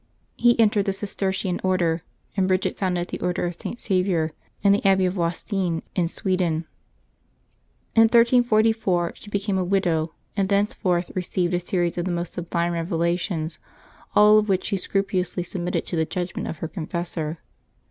He entered the Cistercian Order, and Bridget founded the Order of St. Saviour, in the Abbey of Wastein, in Sweden. In 1344 she became a widow, and thenceforth received a series of the most sublime revela tions, all of which she scrupulously submitted to the judg ment of her confessor.